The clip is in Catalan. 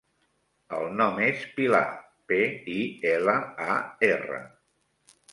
El nom és Pilar: pe, i, ela, a, erra.